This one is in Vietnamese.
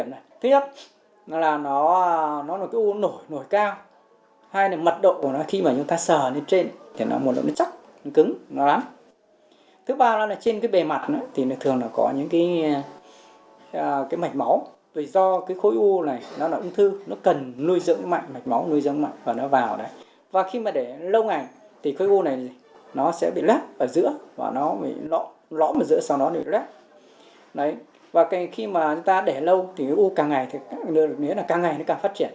và khi mà chúng ta để lâu thì u càng ngày thì càng ngày nó càng phát triển